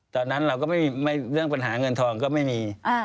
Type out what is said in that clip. ตอนนั้นเราก็ไม่เรื่องปัญหาเงินทองก็ไม่มี